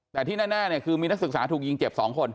แต่ที่แน่คือมีนักศึกษาถูกยิงเจ็บ๒คน